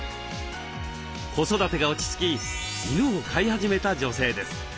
子育てが落ち着き犬を飼い始めた女性です。